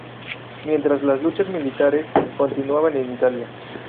Mientras, las luchas militares continuaban en Italia.